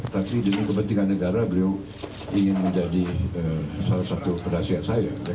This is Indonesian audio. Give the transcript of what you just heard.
tapi demi kepentingan negara beliau ingin menjadi salah satu penasihat saya